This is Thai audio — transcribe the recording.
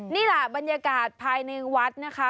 นี่แหละบรรยากาศภายในวัดนะคะ